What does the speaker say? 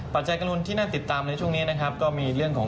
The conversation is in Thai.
ปัจจัยกำหนุที่น่าติดตามในช่วงนี้ก็มีเรื่องของ